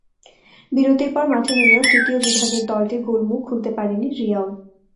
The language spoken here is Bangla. বিরতির পর মাঠে নেমেও তৃতীয় বিভাগের দলটির গোলমুখ খুলতে পারেনি রিয়াল।